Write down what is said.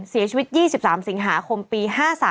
เสียชีวิต๒๓สิงหาคมปี๕๓